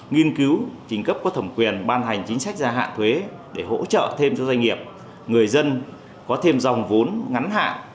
nghiên cứu trình cấp có thẩm quyền ban hành chính sách gia hạn thuế để hỗ trợ thêm cho doanh nghiệp người dân có thêm dòng vốn ngắn hạn